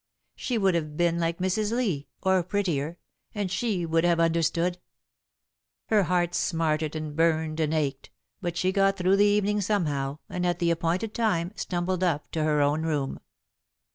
She would have been like Mrs. Lee, or prettier, and she would have understood. Her heart smarted and burned and ached, but she got through the evening somehow, and, at the appointed time, stumbled up to her own room.